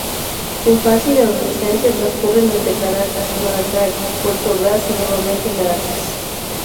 Su infancia y adolescencia transcurren entre Caracas, Maracay, Puerto Ordaz y, nuevamente, Caracas.